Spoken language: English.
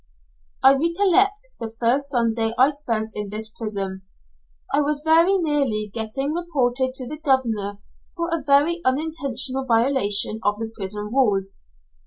I recollect the first Sunday I spent in this prison. I was very nearly getting reported to the governor for a very unintentional violation of the prison rules.